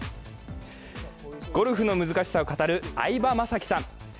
ゴルフの難しさを語る相葉雅紀さん。